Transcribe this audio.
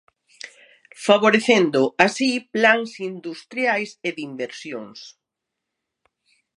Favorecendo así plans industriais e de inversións.